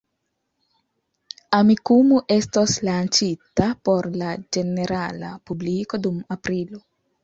Amikumu estos lanĉita por la ĝenerala publiko dum aprilo.